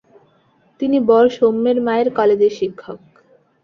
তিনি বর সৌম্যের মায়ের কলেজের শিক্ষক।